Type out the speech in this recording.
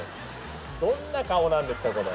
どんな顔なんですかこれ！